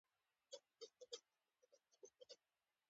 سیکهان خوشي شول.